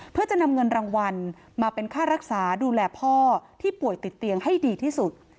เพื่อจะนำเงินรางวัลมาเป็นค่ารักษาดูแลพ่อที่ป่วยติดเตียงให้ดีที่สุด